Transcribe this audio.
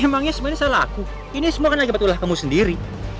emangnya sebenernya salah aku ini semua karena akibat ulah kamu sendiri